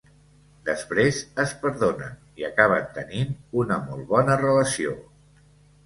Després es perdonen i acaben tenint una molt bona relació.